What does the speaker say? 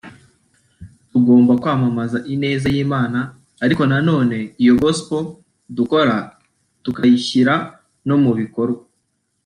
tugomba kwamamaza ineza y’Imana ariko na none iyo ‘gospel’ dukora tukayishyira no mu bikorwa